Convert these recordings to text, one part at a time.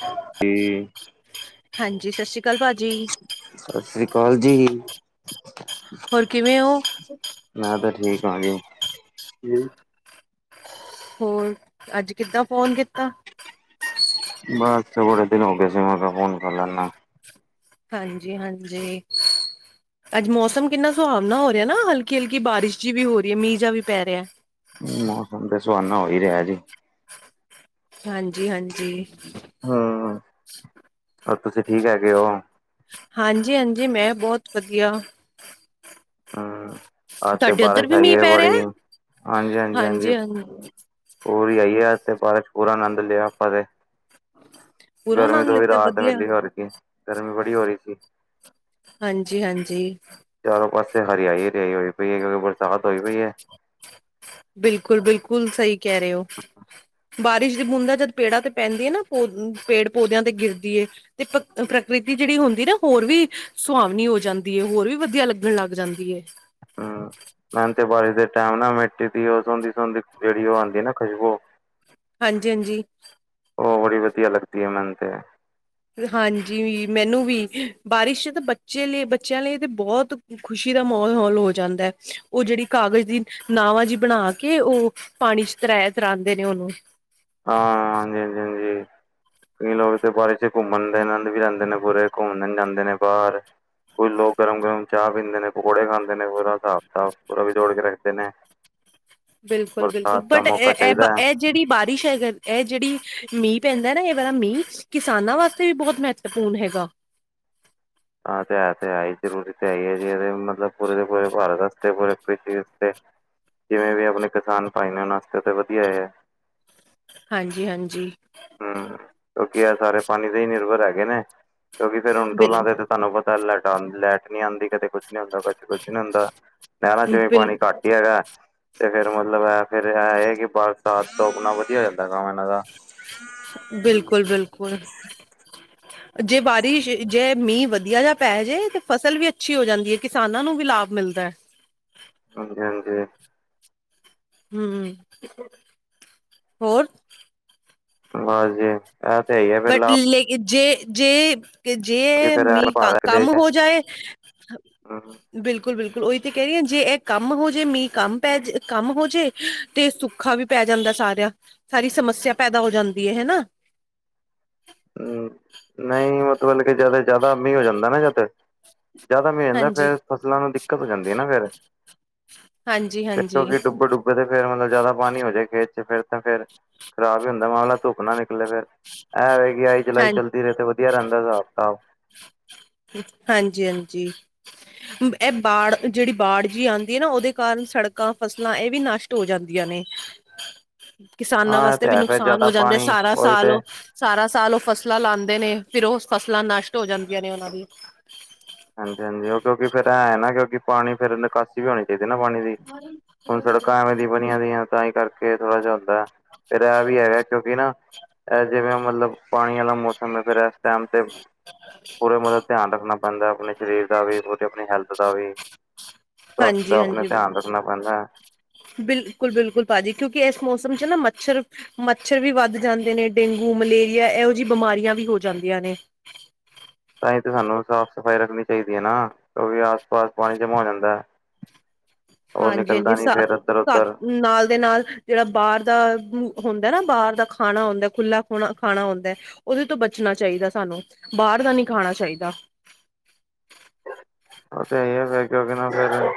[unintelligible] T ਹਾਂਜੀ ਸਤਿ ਸ਼੍ਰੀ ਅਕਾਲ ਭਾਜੀ। ਸਤਿ ਸ੍ਰੀ ਅਕਾਲ ਜੀ। ਹੋਰ ਕਿਵੇਂ ਔਂ? ਮੈਂ ਤੇ ਠੀਕ ਆਂ ਜੀ। ਹੋਰ ਅੱਜ ਕਿੱਦਾਂ ਫੋਨ ਕੀਤਾ। ਬਸ ਬੜੇ ਦਿਨ ਹੋ ਗਏ ਸੀ ਮੈਂ ਖੇਆ ਫੋਨ ਕਰ ਲੈਨਾ। ਹਾਂਜੀ, ਹਾਂਜੀ। ਅੱਜ ਮੌਸਮ ਕਿੰਨਾ ਸੁਹਾਵਨਾ ਹੋ ਰਿਹਾ ਨਾ ਹਲਕੀ- ਹਲਕੀ ਬਾਰਿਸ਼ ਜੀ ਵੀ ਹੋ ਰਹੀ ਐ। ਮੀਂਅ ਜਿਆ ਵੀ ਪੈ ਰਿਆ। ਮੌਸਮ ਤੇ ਸੁਹਾਨਾ ਹੋ ਈ ਰਿਆ ਜੀ। ਹਾਂਜੀ ਹਾਂਜੀ। ਹਂ, ਹੋਰ ਤੁਸੀਂ ਠੀਕ ਹੈਗੇ ਔ? ਹਾਂਜੀ, ਹਾਂਜੀ ਮੈਂ ਬੋਤ ਵਧੀਆ। ਹਂ, ਅੱਜ ਤੇ ਤੁਹਾਡੇ ਉੱਧਰ ਬਾਰਿਸ਼ ਵੀ ਹੈਗੀ ਮੀਂਹ ਏ ਪੈ ਬੜੀ, ਰਿਹਾ? ਹਾਂਜੀ ਹਾਂਜੀ ਹਾਂਜੀ ਹਾਂਜੀ-ਹਾਂਜੀ, ਪੂਰੀ ਆਈ ਐ ਅੱਜ ਤੇ ਬਾਰਿਸ਼ ਪੂਰਾ ਆਨੰਦ ਲਿਆ ਆਪਾਂ ਤੇ। [inaudible] ਗਰਮੀ ਤੋਂ ਵੀ ਲਿੱਤਾ ਰਾਹਤ ਵਧੀਆ, ਮਿਲੀ ਹੋਰ ਕੀ, ਗਰਮੀ ਬੜੀ ਹੋ ਰੀ ਸੀ। ਹਾਂਜੀ ਹਾਂਜੀ। ਚਾਰੋਂ ਪਾਸੇ ਹਰਿਆਈ ਹਰਿਆਈ ਹੋਈ ਪਈ ਐ ਕਿਉਂਕਿ ਬਰਸਾਤ ਹੋਈ ਪਈ ਐ। ਬਿਲਕੁਲ, ਬਿਲਕੁਲ ਸਹੀ ਕਹਿ ਰੇ ਓ। ਬਾਰਿਸ਼ ਦੀ ਬੂੰਦਾ ਜਦ ਪੇੜਾਂ ਤੇ ਪੈਂਦੀ ਐ ਨਾ ਪੇੜ ਪੌਦਿਆਂ ਤੇ ਗਿਰਦੀ ਏ। ਤੇ ਪ੍ਰਕਿਰਿਤੀ ਜਿਹੜੀ ਹੁੰਦੀ ਨਾ ਹੋਰ ਵੀ ਸੁਹਾਵਨੀ ਹੋ ਜਾਂਦੀ ਐ। ਹੋਰ ਵੀ ਵਧੀਆ ਲੱਗਣ ਲੱਗ ਜਾਂਦੀ ਐ। ਹਾਂ। ਮੈਨੂੰ ਤੇ ਬਾਰਿਸ਼ ਦੇ ਟਾਈਮ ਨਾ ਮਿੱਟੀ ਦੀ ਓ ਸੋਂਦੀ ਸੋਂਦੀ ਜਿਹੜੀ ਓ ਆਂਦੀ ਨਾ ਖੁਸ਼ਬੂ। ਹਾਂਜੀ ਹਾਂਜੀ। ਓ ਬੜੀ ਵਧੀਆ ਲੱਗਦੀ ਐ ਮੈਨੂੰ ਤੇ। ਹਾਂਜੀ, ਵੀ ਮੈਨੂੰ ਵੀ ਬਾਰਿਸ਼ ਤਾਂ ਬੱਚੇ ਲਈ ਬੱਚਿਆਂ ਲਈ ਤੇ ਬੋਤ ਖ਼ੁਸ਼ੀ ਦਾ ਮਾਹੌਲ ਹੋ ਜਾਂਦਾ ਓ ਜਿਹੜੀ ਕਾਗਜ਼ ਦੀ ਨਾਵਾਂ ਜੀ ਬਣਾ ਕੇ ਓ, ਪਾਣੀ ਚ ਤਰੈ ਤਰਾਂਦੇ ਨੇ ਉਹਨੂੰ। ਹਾਂ, ਹਾਂਜੀ ਹਾਂਜੀ ਹਾਂਜੀ। ਕਈ ਲੋਕ ਤੇ ਬਾਰਿਸ਼ ਚ ਘੁੰਮਣ ਦੇ ਆਨੰਦ ਵੀ ਲੈਂਦੇ ਨੇ ਪੂਰੇ ਘੁੰਮਣ ਜਾਂਦੇ ਨੇ ਬਾਰ ਕੁਝ ਲੋਕ ਗਰਮ ਗਰਮ ਚਾਹ ਪੀਂਦੇ ਨੇ ਪਕੌੜੇ ਖਾਂਦੇ ਨੇ ਪੂਰਾ ਸਾਬ ਕਤਾਬ ਪੂਰਾ ਵੀ ਜੋੜ ਕੇ ਰੱਖਦੇ ਨੇ, ਬਿਲਕੁਲ ਬਿਲਕੁਲ ਬਰਸਾਤ ਦਾ ਬਟ ਏ ਮੌਕਾ ਏ ਚਾਹੀਦਾ ਹੈ ਏ ਜਿਹੜੀ ਬਾਰਿਸ਼ ਐ ਏ ਜਿਹੜੀ ਮੀਂਹ ਪੈਂਦਾ ਨਾ ਏ ਵਾਲਾ ਮੀਂਹ ਕਿਸਾਨਾਂ ਵਾਸਤੇ ਵੀ ਬਹੁਤ ਮਹੱਤਵਪੂਰਨ ਹੈਗਾ। ਹਾਂ ਤੇ ਤੇ ਹੈਈ ਜ਼ਰੂਰੀ ਤੇ ਹੈਈ ਐ ਜੀ ਮਤਲਬ ਪੂਰੇ ਤੇ ਪੂਰੇ ਭਾਰਤ ਵਾਸਤੇ ਪੂਰੇ ਪ੍ਰਕਿਤੀ ਵਾਸਤੇ। ਜਿਵੇਂ ਵੀ ਆਪਣੇ ਕਿਸਾਨ ਭਾਈਆਂ ਵਾਸਤੇ ਤਾਂ ਵਧੀਆ [unintelligible] ਹਾਂਜੀ ਹਾਂਜੀ, ਹੂੰ, ਕਿਉਂਕਿ ਏ ਸਾਰੇ ਪਾਣੀ ਤੇ ਹੀ ਨਿਰਭਰ ਹੈਗੇ ਨੇ ਕਿਉਂਕਿ ਫਿਰ ਹੁਣ ਬਿਲ ਟੋਲਾਂ ਤੇ- ਤੁਹਾਨੂੰ ਪਤਾ ਲੈਟਾ ਲੈਟ ਨੀ ਆਂਦੀ ਕਦੇ ਕੁਛ ਨੀ ਹੁੰਦਾ ਕਦੇ ਕੁਛ ਨੀ ਹੁੰਦਾ ਨਹਿਰਾਂ ਚ ਵੀ ਬਿਲ ਪਾਣੀ ਘੱਟ ਈ ਹੈਗਾ। ਤੇ ਫੇਰ ਮਤਲਬ ਐ ਫੇਰ ਏ ਏ ਕਿ ਬਰਸਾਤ ਤੋਂ ਆਪਣਾ ਵਧੀਆ ਹੋ ਜਾਂਦਾ ਕੰਮ ਇਹਨਾਂ ਦਾ ਬਿਲਕੁਲ ਬਿਲਕੁਲ ਜੇ ਬਾਰਿਸ਼ ਜੇ ਮੀਂਹ ਵਧੀਆ ਜਾ ਪੈਜੇ ਤੇ ਫਸਲ ਵੀ ਅੱਛੀ ਹੋ ਜਾਂਦੀ ਐ ਕਿਸਾਨਾਂ ਨੂੰ ਵੀ ਲਾਭ ਮਿਲਦਾ। ਹਾਂਜੀ ਹਾਂਜੀ, ਹੂੰ ਹੋਰ ਬਸ ਜੀ। ਐ ਤੇ ਹੈਈ ਐ। ਬਟ ਲੇਕਿਨ ਜੇ ਜੇ, ਕਿ ਕਿ ਜੇ ਫਿਰ ਮੀਂਹ ਭਾਰਤ ਕਮ ਦੇਸ਼ ਹੈ ਹੋ ਜਾਏ। ਹੂੰ ਬਿਲਕੁਲ ਬਿਲਕੁਲ ਉਹੀ ਤੇ ਕਹਿ ਰੀ ਆ ਜੇ ਇਹ ਕਮ ਹੋਜੇ ਮੀਂਹ ਕਮ ਪੈ ਕਮ ਹੋਜੇ। ਤੇ ਸੁੱਖਾ ਵੀ ਪੈ ਜਾਂਦਾ ਸਾਰਾ ਸਾਰੀ ਸਮੱਸਿਆ ਪੈਦਾ ਹੋ ਜਾਂਦੀ ਹੈ ਨਾ। [inaudible] ਹੂੰ, ਨਈ ਮਤਬਬ ਕਿ ਜ਼ਿਆਦਾ ਜ਼ਿਆਦਾ ਮੀਂਹ ਹੋ ਜਾਂਦਾ ਨਾ ਜਦ ਜ਼ਿਆਦਾ ਮੀਂਹ ਰਹਿੰਦਾ ਹਾਂਜੀ। ਫੇਰ ਫਸਲਾਂ ਨੂੰ ਦਿੱਕਤ ਹੋ ਜਾਂਦੀ ਐ ਨਾ ਫੇਰ ਫਿਰ ਹਾਂਜੀ-ਹਾਂਜੀ, ਕਿਉਂਕਿ ਡੁੱਬੇ ਡੁੱਬੇ ਤੇ ਫਿਰ ਮਤਲਬ ਜ਼ਿਆਦਾ ਪਾਣੀ ਹੋਜੇ ਖੇਤ ਚ ਫਿਰ ਤਾਂ ਫੇਰ ਖਰਾਬ ਈ ਹੁੰਦਾ ਮੰਨਲਾ ਧੁੱਪ ਨਾ ਨਿਕਲੇ ਫੇਰ ਐ ਵਾ ਕਿ ਆਈ ਚਲਾਈ ਹਾਂ ਚੱਲਦੀ ਰਹੇ ਤੇ ਵਧੀਆ ਰਹਿੰਦਾ ਹਿਸਾਬ-ਕਿਤਾਬ ਹਾਂਜੀ ਹਾਂਜੀ, ਇਹ ਬਾੜ ਜਿਹੜੀ ਬਾੜ ਜੀ ਆਂਦੀ ਐ ਨਾ ਉਹਦੇ ਕਾਰਨ ਸੜਕਾਂ ਫਸਲਾਂ ਏ ਵੀ ਨਸ਼ ਟ ਹੋ ਜਾਂਦੀਆਂ ਨੇ, [inaudible] ਕਿਸਾਨਾਂ ਹਾਂ ਇਹ ਵਾਸਤੇ ਤੇ ਵੀ ਹੈ ਫੇਰ ਨੁਕਸਾਨ ਜ਼ਿਆਦਾ ਹੋ ਜਾਂਦੇ ਪਾਣੀ ਸਾਰਾ ਉਹੀ ਸਾਲ ਤੇ ਓ ਸਾਰਾ ਸਾਲ ਓ ਫਸਲਾਂ ਲਾਂਦੇ ਨੇ ਫਿਰ ਓ ਫਸਲਾਂ ਨਸ਼ਟ ਹੋ ਜਾਂਦੀਆਂ ਨੇ ਉਹਨਾਂ ਦੀਆਂ ਹਾਂਜੀ-ਹਾਂਜੀ ਉਹ ਕਿਉਂਕਿ ਫੇਰ ਹੈ ਨਾ, ਕਿਉਂਕਿ ਪਾਣੀ ਫੇਰ ਨਿਕਾਸੀ ਵੀ ਹੋਣੀ ਚਾਈਦੀ ਨਾ ਪਾਣੀ ਦੀ, ਹੁਣ ਸੜਕਾਂ ਐਵੇਂ ਦੀ ਬ ਣੀਆ ਦੀਆਂ ਤਾਂ ਈ ਕਰਕੇ ਥੋੜਾ ਜਿਹਾ ਹੁੰਦਾ, ਫਿਰ ਐਹ ਵੀ ਹੈਗਾ, ਕਿਉਂਕਿ ਨਾ ਐਹ ਜਿਵੇਂ ਮਤਲਬ, ਪਾਣੀ ਵਾਲਾ ਮੌਸਮ ਏ, ਫੇਰ ਐ ਟੈਮ ਤੇ ਪੂਰੇ ਮਤਲਬ ਧਿਆਨ ਰੱਖਣਾ ਪੈਂਦਾ, ਆਪਣੇ ਸਰੀਰ ਦਾ ਵੀ ਆਪਣੀ ਹੈਲਥ ਦਾ ਵੀ, ਸਵਥ ਦਾ ਹਾਂਜੀ ਆਪਣੇ ਧਿਆਨ ਰੱਖਣਾ ਪੈਂਦਾ। ਬਿਲਕੁਲ-ਬਿਲਕੁਲ ਭਾਜੀ, ਕਿਉਂਕਿ ਇਸ ਮੌਸਮ 'ਚ ਨਾ ਮੱਛਰ ਮੱਛਰ ਵੀ ਵੱਧ ਜਾਂਦੇ ਨੇ, ਡੇਂਗੂ, ਮਲੇਰੀਆ ਇਹੋ ਜਿਹੀ ਬਿਮਾਰੀਆਂ ਵੀ ਹੋ ਜਾਂਦੀਆਂ ਨੇ। ਤਾਹੀ ਤਾਂ ਸਾਨੂੰ ਸਾਫ਼-ਸਫ਼ਾਈ ਰੱਖਣੀ ਚਾਹੀਦੀ ਏ ਨਾ, ਕਿਉਕਿ ਆਸ-ਪਾਸ ਪਾਣੀ ਜਮਾਂ ਹੋ ਜਾਂਦਾ। [inaudible] ਨਿਕਲਦਾ ਹਾਂਜੀ-ਹਾਂਜੀ, ਨੀ ਫੇਰ ਇੱਧਰ ਸਾ-ਸਾ, ਉਧਰ ਨਾਲ ਦੇ ਨਾਲ ਜਿਹੜਾ ਬਾਰ ਦਾ ਹੁੰਦਾ ਨਾ, ਬਾਰ ਦਾ ਖਾਣਾ ਹੁੰਦਾ, ਖੁਲ੍ਹਾਂ ਖੁਣਾ-ਖਾਣਾ ਹੁੰਦਾ। ਉਹਦੇ ਤੋਂ ਬਚਣਾ ਚਾਹੀਦਾ ਸਾਨੂੰ, ਬਾਹਰ ਦਾ ਨੀ ਖਾਣਾ ਚਾਹੀਦਾ। ਉਹ ਤੇ ਇਹ ਏ ਫੇਰ ਕਿਉਕਿ ਨਾ ਫੇਰ,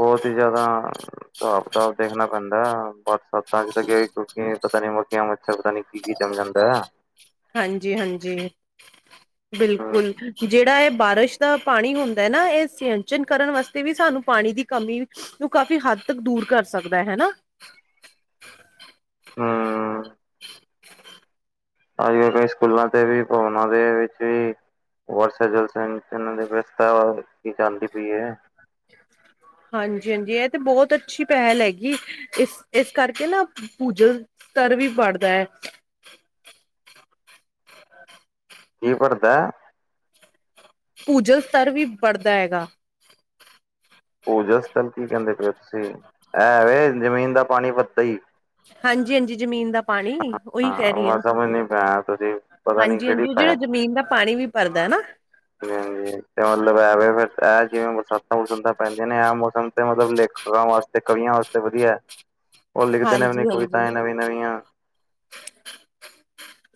ਬਹੁਤ ਜ਼ਿਆਦਾ ਸਾਬ੍ਹ-ਕਿਤਾਬ ਦੇਖਣਾ ਪੈਂਦਾਂ, [unintelligible] ਕਿਉਂਕਿ ਪਤਾ ਨੀ ਕਿ ਅੱਛਾ, ਪਤਾ ਨੀ ਕੀ-ਕੀ ਜਮ ਜਾਂਦਾ ਹਾਂਜੀ-ਹਾਂਜੀ। [inaudible] ਬਿਲਕੁਲ, ਜਿਹੜਾ ਇਹ ਬਾਰਿਸ਼ ਦਾ ਪਾਣੀ ਹੁੰਦਾ ਨਾ, ਇਹ ਸਯੰਚਨ ਕਰਨ ਵਾਸਤੇ ਵੀ ਸਾਨੂੰ ਪਾਣੀ ਦੀ ਕਮੀ ਵੀ, ਉਹ ਕਾਫ਼ੀ ਹੱਦ ਤੱਕ ਦੂਰ ਕਰ ਸਕਦਾ। ਹੈਨਾ। ਹਾਂ। ਅੱਜ-ਕੱਲ੍ਹ ਕ‌ਈ ਸਕੂਲਾਂ ਤੇ ਵੀ ਭਵਨਾ ਦੇ ਵਿੱਚ ਵੀ ਵਰਸ ਜਲਸ ਇਹਨਾਂ ਦੀ ਵਿਸਥਾ ਕੀ ਚੱਲਦੀ ਪਈ ਏ। ਹਾਂਜੀ-ਹਾਂਜੀ ਇਹ ਤੇ ਬਹੁਤ ਅੱਛੀ ਪਹਿਲ ਹੈਗੀ। ਇਸ-ਇਸ ਕਰਕੇ ਨਾ ਪੂਜਲ ਤਰ ਵੀ ਬੜਦਾ ਐ। ਕੀ ਭਰਦਾ ਭੂਜਲ ਸਤਰ ਵੀ ਬੜਦਾ ਹੈਗਾ। ਪੂਜਾ ਸਥਲ ਕੀ ਕਹਿੰਦੇ ਪਏ ਓ ਤੁਸੀਂ, ਐ ਵੇ ਜ਼ਮੀਨ ਦਾ ਪਾਣੀ ਵੱਧਦਾ ਈ। ਹਾਂਜੀ-ਹਾਂਜੀ, ਜ਼ਮੀਨ ਦਾ ਪਾਣੀ ਓਹੀ ਹਾਂ ਕਹਿ ਉਹ ਰੀ ਮੈਂ ਆ। ਸਮਝ ਨੀ ਪਾਇਆ ਤੁਸੀਂ ਪਤਾ ਨੀ ਕਿਹੜੀ ਹਾਂਜੀ-ਹਾਂਜੀ ਉਹ ਭਾਸ਼ਾ ਜਿਹੜਾ ਜ਼ਮੀਨ ਦਾ ਪਾਣੀ ਵੀ ਭਰਦਾ ਨਾ [inaudible] 'ਤੇ ਮਤਲਬ ਐਵੇ ਫੇਰ ਇਹ ਜਿਵੇਂ ਬਰਸਾਤਾਂ-ਬਰਸੂਤਾਂ ਪੈਂਦੀਆਂ ਨੇ, ਇਹ ਮੌਸਮ ਤੇ ਮਤਲਬ ਲੇਖਕਾਂ ਵਾਸਤੇ ਤੇ ਕਵੀਆਂ ਵਾਸਤੇ ਵਧੀਆ। ਉਹ ਲਿਖਦੇ ਨੇ ਆਪਣੀ ਹਾਂਜੀ-ਹਾਂਜੀ। ਕਵਿਤਾਂਏ ਨਵੀਂ-ਨਵੀਆਂ ਤੇ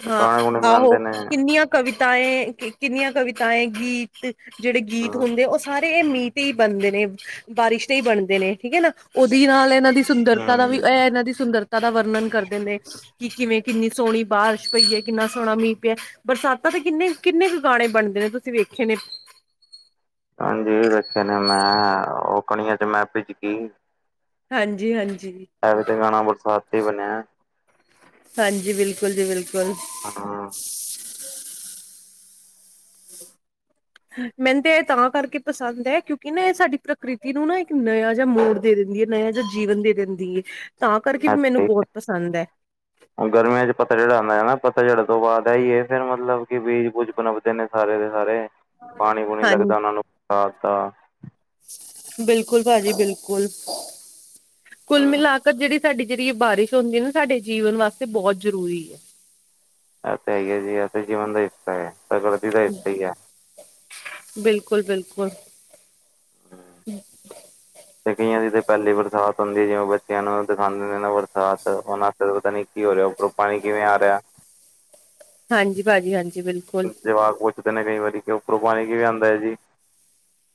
ਹਾਂ ਗੁਣੇ ਆਹੋ, ਬਣਾਉਂਦੇ ਨੇ ਕਿੰਨੀਆਂ ਕਵਿਤਾਏ, ਕਿੰਨੀਆਂ ਕਵਿਤਾਏ ਗੀਤ ਜਿਹੜੇ ਗੀਤ ਹਮ ਹੁੰਦੇ, ਉਹ ਸਾਰੇ ਇਹ ਮੀਂ ਤੇ ਈ ਬਣਦੇ ਨੇ, ਬਾਰਿਸ਼ ਤੇ ਈ ਬਣਦੇ ਨੇ, ਠੀਕ ਏ ਨਾ ਉਹਦੀ ਨਾਲ ਇਹਨਾਂ ਦੀ ਸੁੰਦਰਤਾ ਦਾ ਵੀ, ਇਹ ਇਹਨਾਂ ਦੀ ਸੁੰਦਰਤਾ ਦਾ ਵਰਣਨ ਕਰਦੇ ਨੇ, ਕਿ ਕਿਵੇਂ ਕਿੰਨੀ ਸੋਹਣੀ ਬਾਰਿਸ਼ ਪਈ ਏ ਕਿੰਨਾ ਸੋਹਣਾ ਮੀਂਹ ਪਿਆ, ਬਰਸਾਤਾਂ ਤੇ ਕਿੰਨੇ-ਕਿੰਨੇ ਕੁ ਗਾਣੇਂ ਬਣਦੇ ਨੇ, ਤੁਸੀਂ ਵੇਖੇ ਨੇ ਹਾਂਜੀ, ਵੇਖੇ ਨੇ ਮੈਂ, ਉਹ ਕਣੀਆਂ 'ਚ ਮੈਂ ਭਿੱਜ ਗੀ। ਹਾਂਜੀ-ਹਾਂਜੀ। ਐ ਵੀ ਤੇ ਗਾਣਾ ਬਰਸਾਤ ਤੇ ਈ ਬਣਿਆ ਹਾਂਜੀ, ਬਿਲਕੁਲ ਜੀ ਬਿਲਕੁਲ ਹਾਂ। ਮੈਨੂੰ ਤੇ ਇਹ ਤਾਂ ਕਰਕੇ ਪਸੰਦ ਐ, ਕਿਉਂਕਿ ਨਾ ਇਹ ਸਾਡੀ ਪ੍ਰਕਿਰਤੀ ਨੂੰ ਨਾ ਇੱਕ ਨਯਾ ਜਿਹਾ ਮੋੜ ਦੇ ਦਿੰਦੀ ਹੈ ਨਿਆ ਜਿਹਾ ਜੀਵਨ ਦੇ ਦਿੰਦੀ ਹੈ ਤਾਂ ਕਰਕੇ ਵੀ ਮੈਨੂੰ ਬਹੁਤ ਪਸੰਦ ਹੈ ਗਰਮੀਆਂ ਚ' ਪੱਥਝੜ ਆਉਂਦਾ ਹੈ ਨਾ ਪੱਥਝੜ ਤੋਂ ਬਾਅਦ ਇਹ ਹੀ ਏ ਫੇਰ ਮਤਲਬ ਕਿ ਬੀਜ ਬੂਜ ਪਨਪਦੇ ਨੇ ਸਾਰੇ ਦੇ ਸਾਰੇ ਪਾਣੀ ਪੂਣੀ ਹਾਂਜੀ ਲੱਗਦਾ ਉਹਨਾਂ ਨੂੰ ਬਰਸਾਤ ਦਾ ਬਿਲਕੁਲ ਭਾਜੀ ਬਿਲਕੁਲ ਹੂੰ। ਕੁੱਲ ਮਿਲਾ ਕੇ ਜਿਹੜੀ ਸਾਡੀ ਜਿਹੜੀ ਇਹ ਬਾਰਿਸ਼ ਹੁੰਦੀ ਹੈ ਨਾ ਸਾਡੇ ਜੀਵਨ ਵਾਸਤੇ ਬਹੁਤ ਜ਼ਰੂਰੀ ਹੈ। ਆ ਤੇ ਹੈ ਹੀ ਆ ਜੀ ਇਹ ਜੀਵਨ ਦਾ ਹਿੱਸਾ ਹੈ ਪ੍ਰਕਿਰਤੀ ਦਾ ਹਿੱਸਾ ਈ ਹੈ ਬਿਲਕੁਲ-ਬਿਲਕੁਲ [inaudible] [inaudible] ਤੇ' ਕਈਆਂ ਦੀ ਤਾਂ ਪਹਿਲੀ ਬਰਸਾਤ ਹੁੰਦੀ ਹੈ ਜਿਵੇਂ ਬੱਚਿਆਂ ਨੂੰ ਦਿਖਾਉਂਦੇ ਨੇ ਬਰਸਾਤ ਉਹਨਾਂ ਵਾਸਤੇ ਪਤਾ ਨੀ ਕੀ ਹੋ ਰਿਹਾ ਪਾਣੀ ਕਿਵੇਂ ਆ ਰਿਹਾ ਹਾਂਜੀ ਭਾਜੀ ਹਾਂਜੀ ਬਿਲਕੁਲ ਜਵਾਕ ਪੁੱਛਦੇ ਨੇ ਕਈ ਵਾਰੀ ਕਿ ਉੱਪਰੋਂ ਪਾਣੀ ਕਿਵੇਂ ਆਉਂਦਾ ਹੈ ਜੀ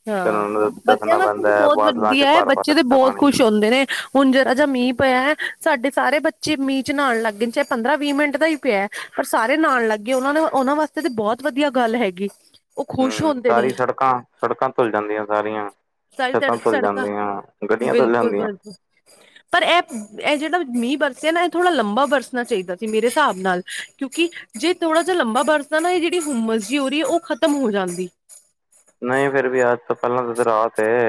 ਫਿਰ ਉਹਨਾਂ ਹਾਂ ਨੂੰ ਬੱਚਿਆਂ ਦੱਸਣਾ ਵਾਸਤੇ ਤੇ ਪੈਂਦਾ ਹੈ ਬਹੁਤ ਬਾਦਲਾਂ 'ਚ ਵਧੀਆ ਹੈ ਭਰ ਭਰ ਬੱਚੇ ਤਾਂ ਰੱਖਿਆ ਬਹੁਤ ਪਾਣੀ। ਖੁਸ਼ ਹੁੰਦੇ ਨੇ ਹੁਣ ਜਰਾ ਜਿਹਾ ਮੀਂਹ ਪਿਆ ਹੈ। ਸਾਡੇ ਸਾਰੇ ਬੱਚੇ ਮੀਂਹ ਚ' ਨਾਉਣ ਲੱਗ ਗਏ ਚਾਹੇ ਪੰਦਰਾਂ ਵੀਹ ਮਿੰਟ ਦਾ ਹੀ ਪਿਆ ਪਰ ਸਾਰੇ ਨਾਉਣ ਲੱਗ ਗਏ ਉਹਨਾਂ-ਉਹਨਾਂ ਵਾਸਤੇ ਤਾਂ ਬਹੁਤ ਵਧੀਆ ਗੱਲ ਹੈਗੀ ਉਹ ਖੁਸ਼ ਹੂੰ ਹੁੰਦੇ ਨੇ ਸਾਰੀ ਸੜਕਾਂ ਸੜਕਾਂ ਧੁਲ ਜਾਂਦੀਆਂ ਸਾਰੀਆਂ, ਸਾਰੀ ਤੜ ਛੱਤਾਂ ਧੁਲ ਸੜਕਾਂ ਜਾਂਦੀਆਂ, ਗੱਡੀਆਂ ਧੁਲ ਬਿਲਕੁਲ ਜਾਂਦੀਆਂ ਬਿਲਕੁਲ [inaudible] ਪਰ ਇਹ-ਇਹ ਜਿਹੜਾ ਮੀਂਹ ਵਰਸਿਆ ਨਾ ਇਹ ਥੋੜਾ ਲੰਬਾ ਵਰਸਣਾ ਚਾਹੀਦਾ ਸੀ ਮੇਰੇ ਹਿਸਾਬ ਨਾਲ ਕਿਉਂਕਿ ਜੇ' ਥੋੜਾ ਜਿਹਾ ਲੰਬਾ ਬਰਸਦਾ ਨਾ ਇਹ ਜਿਹੜੀ ਹੁਮਸ ਜਿਹੀ ਹੋ ਰਹੀ ਹੈ ਉਹ ਖਤਮ ਹੋ ਜਾਂਦੀ ਨਹੀਂ ਫਿਰ ਵੀ ਅੱਜ ਤੋਂ ਪਹਿਲਾਂ ਤਾਂ ਰਾਹਤ ਏ।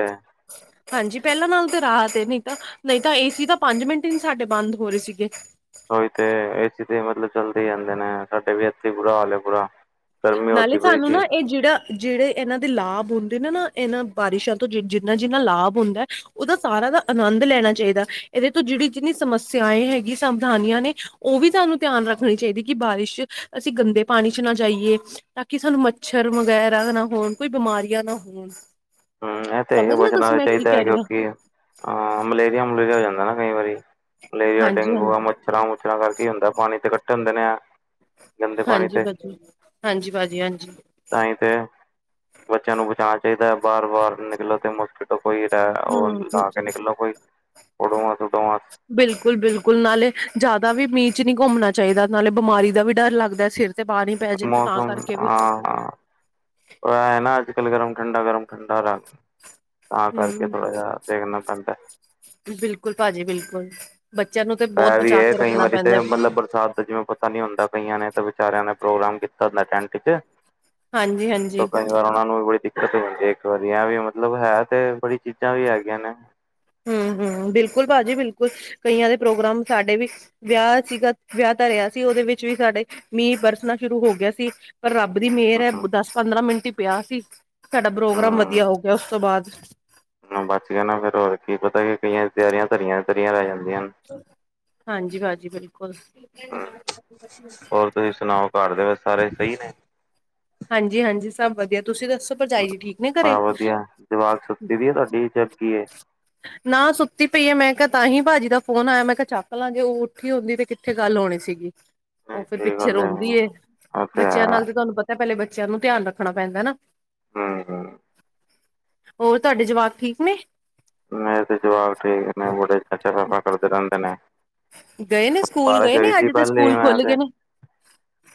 ਹਾਂਜੀ ਪਹਿਲਾਂ ਨਾਲੋਂ ਤੇ ਰਾਹਤ ਏ ਨੀ ਤਾਂ। ਨਹੀਂ ਤਾਂ ਏਸੀ ਤਾਂ ਪੰਜ ਮਿੰਟ ਹੀ ਨੂੰ ਸਾਡੇ ਬੰਦ ਹੋ ਰਹੇ ਸੀਗੇ। ਉਹੀ ਤੇ ਏ ਸੀ ਤੇ ਮਤਲਬ ਚੱਲਦੇ ਰਹਿੰਦੇ ਨੇ ਸਾਡੇ ਵੀ ਇਥੇ ਬੁਰਾ ਹਾਲ ਏ ਬੁਰਾ। ਗਰਮੀ ਨਾਲੇ ਹੋਤੀ ਪਈ ਸਾਨੂੰ ਸੀ ਨਾ ਇਹ ਜਿਹੜਾ। ਜਿਹੜੇ ਇਹਨਾਂ ਦੇ ਲਾਭ ਹੁੰਦੇ ਨੇ ਨਾ ਇਹਨਾਂ ਬਾਰਿਸ਼ਾਂ ਤੋਂ ਜਿੰਨਾ ਜਿੰਨਾ ਲਾਭ ਹੁੰਦਾ। ਉਹਦਾ ਸਾਰਾ ਦਾ ਆਨੰਦ ਲੈਣਾ ਚਾਹੀਦਾ ਇਹਦੇ ਤੋਂ ਜਿਹੜੀ ਜਿੰਨੀ ਸਮੱਸਿਆਏ ਹੈਗੀ ਸਾਵਧਾਨੀਆਂ ਨੇ। ਉਹ ਵੀ ਸਾਨੂੰ ਧਿਆਨ ਰੱਖਣੀ ਚਾਹੀਦੀ ਕਿ ਬਾਰਿਸ਼ ਅਸੀਂ ਗੰਦੇ ਪਾਣੀ 'ਚ ਨਾ ਜਾਈਏ। ਤਾਂ ਕਿ ਸਾਨੂੰ ਮੱਛਰ ਵਗੈਰਾ ਨਾ ਹੋਣ ਕੋਈ ਬਿਮਾਰੀਆਂ ਨਾ ਹੋਣ। ਹਮ ਇਹ ਤੇ ਹੈ ਸਮਝ ਰਹੇ ਹੋ ਤੁਸੀਂ ਬਚਣਾ ਮੈਂ ਕੀ ਚਾਹੀਦਾ ਹੈ ਕਹਿ ਰਹੀ ਹਾਂ ਕਿਉਂਕਿ। ਅਹ ਮਲੇਰੀਆ ਮਲੂਰੀਆ ਹੋ ਜਾਂਦਾ ਨਾ ਕਈ ਵਾਰੀ ਮਲੇਰੀਆ ਹਾਂਜੀ ਡੇਂਗੂ ਹਾਂਜੀ ਆ। ਮਛਰਾਂ ਮੁਛਰਾਂ ਕਰਕੇ ਹੁੰਦਾ ਪਾਣੀ ਤੇ ਕੱਠੇ ਹੁੰਦੇ ਨੇ ਆ। ਹਾਂਜੀ ਭਜੀ ਹਾਂਜੀ ਭਾਜੀ ਹਾਂਜੀ। ਤਾਂਹੀ ਤੇ ਬੱਚਿਆਂ ਨੂੰ ਬਚਾਉਣਾ ਚਾਹੀਦਾ ਹੈ ਬਾਰ ਬਾਰ ਨਿਕਲਣ ਤੇ ਮੁਕ। ਟੋ ਕੋਈ ਰ ਉਹ ਹਮ ਲਾ ਕੇ ਨਿਕਲੋ ਕੋਈ ਆਡੋਮਾਸ ਉਡੋਮਾਸ। ਬਿਲਕੁਲ ਬਿਲਕੁਲ ਨਾਲੇ ਜ਼ਿਆਦਾ ਵੀ ਮੀਂਹ ਚ ਨਹੀਂ ਘੁੰਮਣਾ ਚਾਹੀਦਾ ਨਾਲੇ ਬਿਮਾਰੀ ਦਾ ਵੀ ਡਰ ਲੱਗਦਾ ਸਿਰ। ਤੇ ਪਾਣੀ ਪੈ ਜੇ ਤੇ ਤਾਂ ਮੌਸਮ ਕਰਕੇ ਵੀ। ਉਹ ਇਹ ਨਾ ਅੱਜ ਕੱਲ ਗਰਮ ਠੰਡਾ ਗਰਮ ਠੰਡਾ ਰਖ ਤਾਂ ਕਰਕੇ ਹਮ ਥੋੜਾ ਜਿਹਾ ਦੇਖਣਾ ਪੈਂਦਾ। ਬਿਲਕੁਲ ਭਾਜੀ ਬਿਲਕੁਲ। ਬੱਚਿਆਂ ਨੂੰ ਤੇ ਬਹੁਤ ਇਹ ਵੀ ਬਚਾ ਹੈ ਕੇ ਕਈ ਰੱਖਣਾ ਵਾਰੀ ਤੇ ਪੈਂਦਾ ਮਤਲਬ ਬਰਸਾਤ। ਜਿਵੇਂ ਪਤਾ ਨੀ ਹੁੰਦਾ ਕਈਆਂ ਨੇ ਤੇ ਵਿਚਾਰਿਆਂ ਨੇ ਪ੍ਰੋਗਰਾਮ ਕੀਤਾ ਹੁੰਦਾ ਟੈਂਟ ਚ। ਹਾਂਜੀ ਹਾਂਜੀ। ਫਿਰ ਉਹਨਾਂ ਨੂੰ ਵੀ ਬੜੀ ਦਿੱਕਤ ਹੁੰਦੀ ਇੱਕ ਵਾਰੀ ਆ ਵੀ ਮਤਲਬ ਹੈ ਤੇ ਬੜੀ ਚੀਜ਼ਾਂ ਵੀ ਹੈਗੀਆਂ ਨੇ। ਹਮ ਹਮ ਬਿਲਕੁਲ ਭਾਜੀ ਬਿਲਕੁਲ ਕਈਆਂ ਦੇ ਪ੍ਰੋਗਰਾਮ ਸਾਡੇ ਵੀ। ਵਿਆਹ ਸੀਗਾ, ਵਿਆਹ ਤਰਿਹਾ ਸੀ ਉਹਦੇ ਵਿੱਚ ਵੀ ਸਾਡੇ ਮੀਂਅ ਬਰਸਣਾ ਸ਼ੁਰੂ ਹੋ ਗਿਆ ਸੀ। ਪਰ ਰੱਬ ਦੀ ਮਿਹਰ ਐ ਹਮ ਦਸ-ਪੰਦਰਾਂ ਮਿੰਟ ਈ ਪਿਆ ਸੀ, ਸਾਡਾ ਪ੍ਰੋਗਰਾਮ ਵਧੀਆ ਹੋ ਗਿਆ ਉਸ ਤੋਂ ਬਾਅਦ। ਬਸ ਗਿਆ ਨਾ ਫਿਰ ਹੋਰ ਕੀ, ਪਤਾ ਕਿ ਕਈਆਂ ਦੀ ਤਿਆਰੀਆਂ ਧਰੀਆਂ ਤਰੀਆਂ ਰਹਿ ਜਾਂਦੀਆਂ ਨੇ। ਹਾਂਜੀ ਭਾਜੀ ਬਿਲਕੁਲ। ਹੋਰ ਤੁਸੀਂ ਸੁਣਾਓ ਘਰ ਦੇ ਵਿੱਚ ਸਾਰੇ ਸਈ ਨੇ। ਹਾਂਜੀ ਹਾਂਜੀ, ਸਭ ਵਧੀਆ ਤੁਸੀਂ ਦੱਸੋ। ਭਰਜਾਈ ਜੀ ਠੀਕ ਨੇ ਘਰੇ ਹਾਂ ਵਧੀਆ, ਜਵਾਕ ਸੁੱਤੀ ਦੀ ਏ ਤਾਡੀ ਜਾਗੀ ਐ। ਨਾ ਸੁੱਤੀ ਪਈ ਐ ਮੈਂ ਕਿਆ ਤਾਂਹੀ ਭਾਜੀ ਦਾ ਫੋਨ ਆਇਆ ਮੈਂ ਕੇ ਚੱਕ ਲਾਂ ਜੇ ਉਹ ਉੱਠੀ ਹੁੰਦੀ ਤੇ ਉੱਥੇ ਗੱਲ ਹੋਣੀ ਸੀਗੀ। ਉਹ ਫਿਰ ਸਹੀ ਪਿੱਛੇ ਗੱਲ ਹੈ ਰੋਂਦੀ ਐ, ਉਹ ਬੱਚਿਆਂ ਹੈ ਨਾਲ ਤੇ ਤਾਨੂੰ ਪਤਾ ਪਹਿਲੇ ਬੱਚਿਆਂ ਨੂੰ ਧਿਆਨ ਰੱਖਣਾ ਪੈਂਦਾ ਨਾ। ਹਂ, ਹਂ। ਹੋਰ ਤਾਡੇ ਜਵਾਕ ਠੀਕ ਨੇ? ਮੈਂ ਤੇ ਜਵਾਕ ਠੀਕ ਨੇ ਬੜੇ ਚਾਚਾ ਪਪਾ ਕਰਦੇ ਰੇਂਦੇ ਨੇ। ਗਏ ਨੇ ਸਕੂਲ ਬਾਰਿਸ਼ ਗਏ ਹੋਈ ਨੇ ਸੀ ਅੱਜ ਤੇ ਪਹਿਲੇ ਸਕੂਲ ਮੈਂ ਖੁੱਲ ਤੇ ਗਏ ਨੇ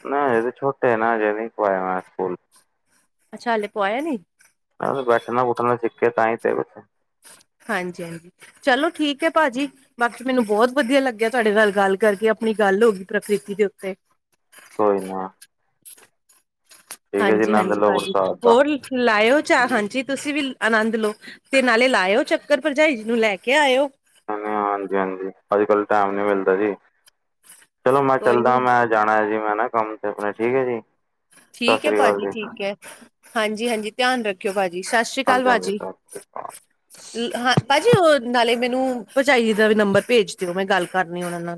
ਨਾ ਹਜੇ ਤੇ ਛੋਟੇ ਨਾ ਅਜੇ ਨ੍ਹੀਂ ਪਾਇਆ ਨਾ ਸਕੂਲ। ਅੱਛਾ ਹਲੇ ਪਵਾਇਆ ਨੀ। ਬੈਠਣਾ-ਬੁਠਣਾ ਸਿੱਖੇ ਤਾਂਹੀ ਤੇ। ਹਾਂਜੀ ਹਾਂਜੀ, ਚਲੋ ਠੀਕ ਐ ਭਾਜੀ। ਬਾਕੀ ਮੈਨੂੰ ਬੋਤ ਵਧੀਆ ਲੱਗਿਆ ਤੁਹਾਡੇ ਨਾਲ ਗੱਲ ਕਰਕੇ ਆਪਣੀ ਗੱਲ ਹੋ ਗਈ ਪ੍ਰਕਿਰਤੀ ਦੇ ਉੱਤੇ। ਕੋਈ ਨਾ। ਠੀਕ ਹੈ ਜੀ ਹਾਂਜੀ ਆਨੰਦ ਹਾਂਜੀ ਲਓ ਭਾਜੀ, ਬਰਸਾਤ ਦਾ ਹੋਰ ਲਾਾਇਓ ਚਾ ਹਾਂਜੀ ਤੁਸੀਂ ਵੀ ਆਨੰਦ ਲਓ। ਤੇ ਨਾਲੇ ਲਾਇਓ ਚੱਕਰ ਭਰਜਾਈ ਜੀ ਨੂੰ ਲੈ ਕੇ ਆਇਓ। ਹਾਂਜੀ ਹਾਂਜੀ ਅੱਜ-ਕੱਲ ਟੈਮ ਨੀ ਮਿਲਦਾ ਜੀ, ਚਲੋ ਮੈਂ ਕੋਈ ਨੀ ਚੱਲਦਾ ਮੈਂ ਜਾਣਾ ਹੈ ਜੀ ਮੈਂ ਨਾ ਕੰਮ ਤੇ ਆਪਣੇ ਠੀਕ ਐ ਜੀ, ਸਤਿ ਠੀਕ ਹੈ ਸ੍ਰੀ ਅਕਾਲ ਭਾਜੀ ਜੀ। ਠੀਕ ਐ, ਹਾਂਜੀ ਹਾਂਜੀ ਧਿਆਨ ਰੱਖਿਓ ਭਾਜੀ ਸਤਿ ਸ੍ਰੀ ਅਕਾਲ ਹਾਂਜੀ ਹਾਂਜੀ ਸਤਿ ਭਾਜੀ। ਸ੍ਰੀ ਅਕਾਲ ਹਾਂ ਭਾਜੀ ਉਹ ਨਾਲੇ ਮੈਨੂੰ ਭਰਜਾਈ ਦਾ ਵੀ ਨੰਬਰ ਭੇਜ ਦਿਓ ਮੈਂ ਗੱਲ ਕਰਨੀ ਉਹਨਾਂ ਨਾ।